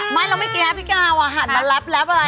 ไม่เราไม่แก้พี่ก้าวอ่ะหันมารับรับอะไรอ่ะ